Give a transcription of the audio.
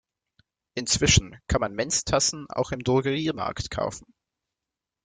Inzwischen kann man Menstassen auch im Drogeriemarkt kaufen.